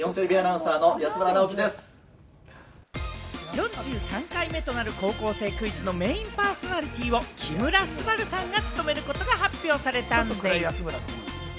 ４３回目となる『高校生クイズ』のメインパーソナリティーを木村昴さんが務めることが発表されたんでぃす。